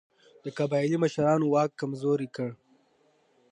د قبایلي مشرانو واک کمزوری کړ.